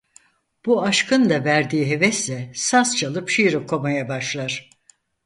Bu aşkın da verdiği hevesle saz çalıp şiir okumaya başlar.